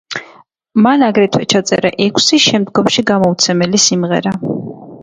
მან აგრეთვე ჩაწერა ექვსი, შემდგომში გამოუცემელი სიმღერა.